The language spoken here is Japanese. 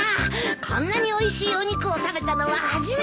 こんなにおいしいお肉を食べたのは初めてです。